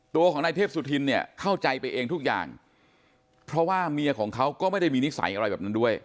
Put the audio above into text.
ตัวของนายเทพสุธินเนี่ยเข้าใจไปเองทุกอย่างเพราะว่าเมียของเขาก็ไม่ได้มีนิสัยอะไรแบบนั้นด้วย